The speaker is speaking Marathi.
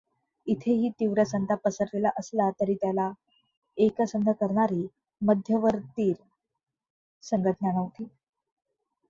इथेही तीव्र संताप पसरलेला असला तरी त्याला एकसंध करणारी मध्यवतीर् संघटना नव्हती.